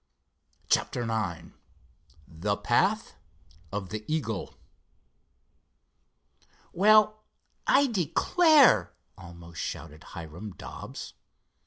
CHAPTER IX THE PATH OF THE EAGLE "Well, I declare!" almost shouted Hiram Dobbs.